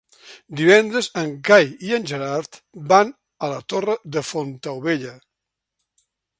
Divendres en Cai i en Gerard van a la Torre de Fontaubella.